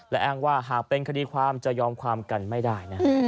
และอ้างว่าหากเป็นคดีความจะยอมความกันไม่ได้นะ